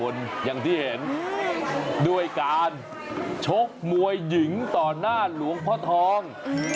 ก็ต้องมาแก้วนอย่างที่เห็นด้วยการชกมวยหญิงต่อหน้าหลวงพ่อทอง